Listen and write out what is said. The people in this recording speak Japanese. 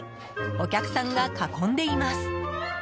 お客さんが囲んでいます。